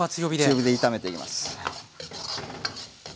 強火で炒めていきます。